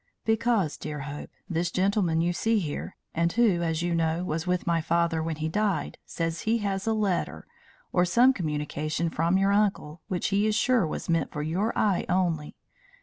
"Because, dear Hope, this gentleman you see here, and who, as you know, was with my father when he died, says he has a letter, or some communication from your uncle, which he is sure was meant for your eye only.